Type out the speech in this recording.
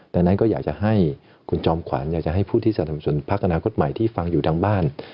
ดังนั้นก็อยากจะให้คุณจอมขวัญอยากจะให้ผู้ที่สนับสนุนพักอนาคตใหม่ที่ฟังอยู่ทางบ้าน